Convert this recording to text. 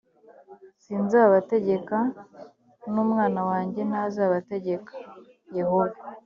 sinzabategeka n umwana wanjye ntazabategeka yehova